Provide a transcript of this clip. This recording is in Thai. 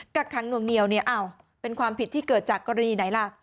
กักขังหน่วงเหนียวเนี่ยอ้าวเป็นความผิดที่เกิดจากกรณีไหนล่ะ